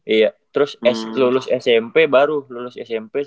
iya terus lulus smp baru lulus smp satu ratus delapan puluh delapan